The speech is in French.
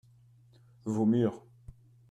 vos murs.